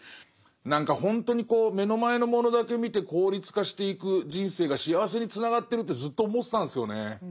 何かほんとに目の前のものだけ見て効率化していく人生が幸せにつながってるってずっと思ってたんですよね。